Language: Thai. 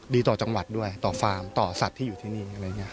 ดีต่อจังหวัดด้วยต่อฟาร์มต่อสัตว์ที่อยู่ที่นี่